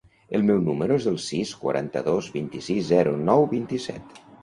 El meu número es el sis, quaranta-dos, vint-i-sis, zero, nou, vint-i-set.